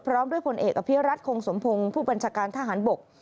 พร้อมด้วยผลเอกอภิรัตคงสมพงศ์ผู้บัญชาการทหารบก